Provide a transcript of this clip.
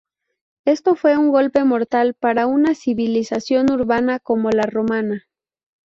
Esto fue un golpe mortal para una civilización urbana como la romana.